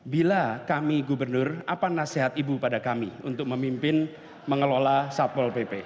bila kami gubernur apa nasihat ibu pada kami untuk memimpin mengelola satpol pp